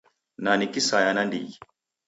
Na ni kisaya nandighi.